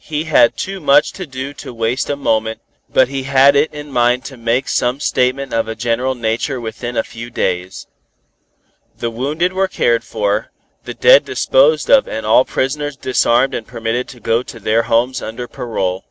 He had too much to do to waste a moment, but he had it in mind to make some statement of a general nature within a few days. The wounded were cared for, the dead disposed of and all prisoners disarmed and permitted to go to their homes under parole.